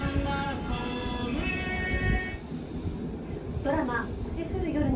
ドラマ「星降る夜に」。